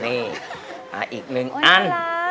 อีกหนึ่งอัน